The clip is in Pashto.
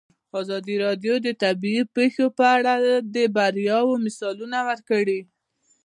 ازادي راډیو د طبیعي پېښې په اړه د بریاوو مثالونه ورکړي.